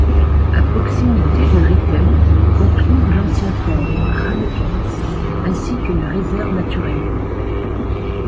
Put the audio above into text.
À proximité de Ritthem, on trouve l'ancien fort Rammekens ainsi qu'une réserve naturelle.